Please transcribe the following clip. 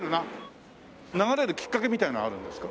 流れるきっかけみたいなのはあるんですか？